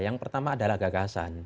yang pertama adalah gagasan